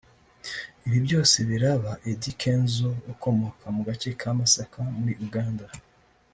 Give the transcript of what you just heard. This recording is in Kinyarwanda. Ibi byose biraba Eddy Kenzo ukomoka mu gace ka Masaka muri Uganda